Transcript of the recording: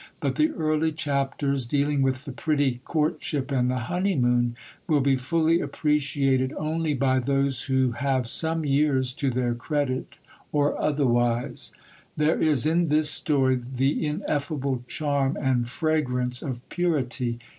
But the early chapters, dealing with the pretty courtship and the honeymoon, will be fully appreciated only by those who have some years to their credit or otherwise. There is in this story the ineffable charm and fragrance of purity.